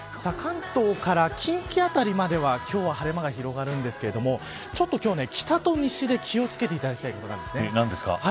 関東から近畿辺りまでは今日は晴れ間が広がるんですけれどもちょっと今日は北と西で気を付けていただきたいことがあります。